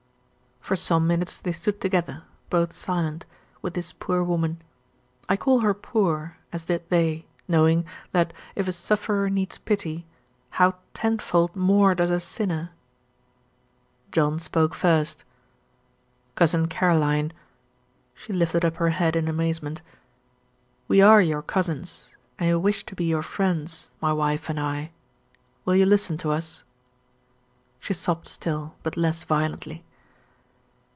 For some minutes they stood together, both silent, with this poor woman. I call her "poor," as did they, knowing, that if a sufferer needs pity, how tenfold more does a sinner! John spoke first. "Cousin Caroline." She lifted up her head in amazement. "We are your cousins, and we wish to be your friends, my wife and I. Will you listen to us?" She sobbed still, but less violently.